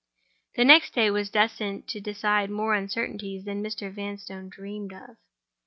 That next day was destined to decide more uncertainties than Mr. Vanstone dreamed of.